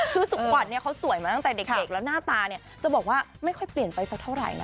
คือสุขขวัญเขาสวยมาตั้งแต่เด็กแล้วหน้าตาเนี่ยจะบอกว่าไม่ค่อยเปลี่ยนไปสักเท่าไหร่นะ